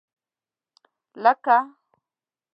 لکه